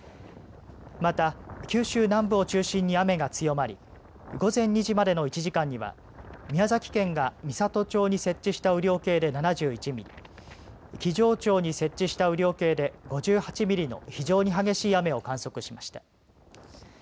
また、九州南部を中心に雨が強まり午前２時までの１時間には宮崎県が美郷町に設置した雨量計で７１ミリ、木城町に設置した雨量計で５８ミリの非常に激しい雨を観測しました。